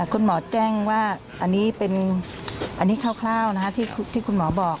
คุณหมอแจ้งว่าอันนี้เป็นอันนี้คร่าวที่คุณหมอบอก